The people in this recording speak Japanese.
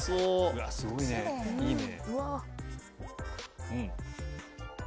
うわすごいねいいね。